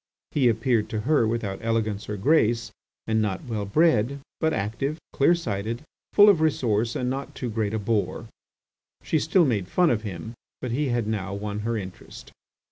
He appeared to her without elegance or grace, and not well bred, but active, clear sighted, full of resource, and not too great a bore. She still made fun of him, but he had now won her interest.